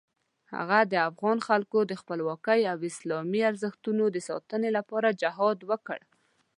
هغه د افغان خلکو د خپلواکۍ او اسلامي ارزښتونو د ساتنې لپاره جهاد وکړ.